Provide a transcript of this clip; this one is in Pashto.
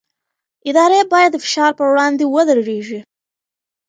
ادارې باید د فشار پر وړاندې ودرېږي